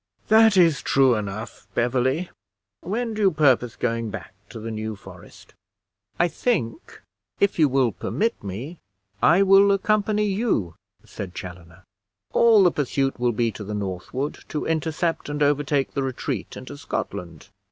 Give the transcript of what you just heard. "That is true enough, Beverly. When do you purpose going back to the New Forest? I think, if you will permit me, I will accompany you," said Chaloner. "All the pursuit will be to the northward, to intercept and overtake the retreat into Scotland.